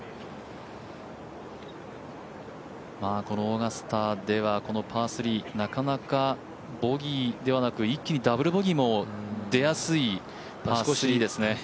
このオーガスタではパー３なかなか、ボギーではなく一気にダブルボギーも出やすいところですね。